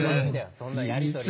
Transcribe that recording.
そんなやりとり。